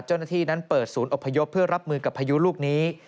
เจ้าหน้าที่นั้นเปิดศูนย์อพยพเพื่อรับมือกับพายุลูกนี้